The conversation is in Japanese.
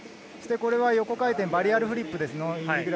これは横回転、バリアルフリップです。